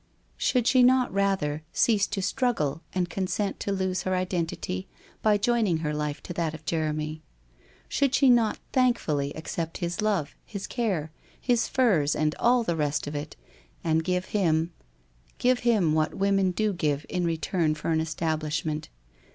Should she not rather, cease to struggle and consent to lose her identity by joining her life to that of Jeremy? Should she not thankfully accept his love, his care, his furs, and all the rest of it, and give him — give him what women do give in return for an establishment.